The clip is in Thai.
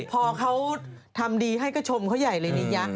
พอเขาทำดีให้ก็ชมเขาใหญ่เลยนะยะ